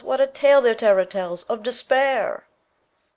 What a tale their terror tellsOf Despair!